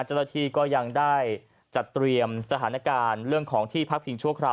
เจ้าหน้าที่ก็ยังได้จัดเตรียมสถานการณ์เรื่องของที่พักพิงชั่วคราว